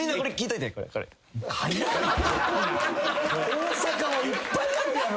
大阪はいっぱいあるやろ。